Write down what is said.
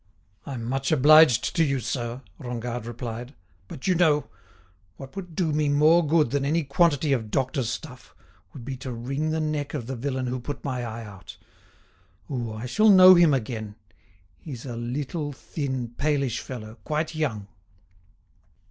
"I'm much obliged to you, sir," Rengade replied; "but, you know, what would do me more good than any quantity of doctor's stuff would be to wring the neck of the villain who put my eye out. Oh! I shall know him again; he's a little thin, palish fellow, quite young."